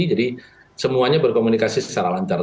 jadi semuanya berkomunikasi secara lancar